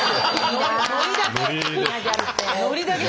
ノリだけ。